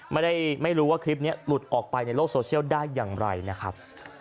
ไม่ได้ไม่รู้ว่าคลิปนี้หลุดออกไปในโลกมือได้อย่างไรนะครับ